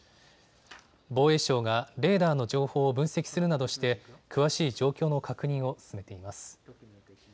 防衛省がレーダーの情報を分析するなどして詳しい状況の確認を進めています。